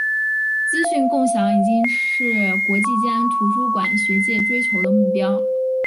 资讯共享已经是国际间图书馆学界追求的目标。